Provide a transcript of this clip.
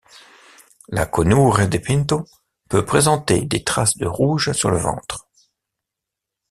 La Conure de Pinto peut présenter des traces de rouge sur le ventre.